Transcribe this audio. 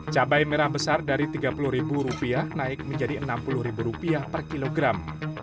cabai merah besar dari rp tiga puluh naik menjadi rp enam puluh per kilogram